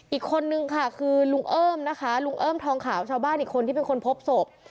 อีกคนนึงค่ะคือลุงเอิ้มนะคะลุงเอิ้มทองขาวชาวบ้านอีกคนที่เป็นคนพบศพ